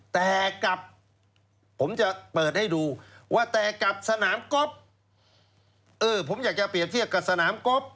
แต่กับผมจะเปิดให้ดูว่าแต่กับสนามกบเออผมอยากจะเปรียบเทียบกับสนามกบ